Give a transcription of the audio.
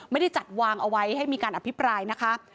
ไม่ได้จัดวางเอาไว้ให้มีการอภิปรายนะคะ